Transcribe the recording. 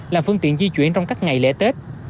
là phương tiện di chuyển trong các ngày lễ tết